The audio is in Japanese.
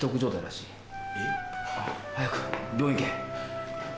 えっ？早く病院行け。